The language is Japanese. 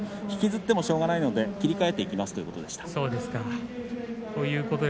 引きずってもしょうがないので切り替えていきますと話していました。